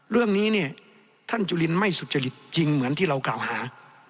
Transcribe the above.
เรื่องนี้เนี่ยท่านจุลินไม่สุจริตจริงเหมือนที่เรากล่าวหา